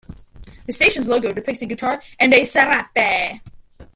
The station's logo depicts a guitar and a "sarape".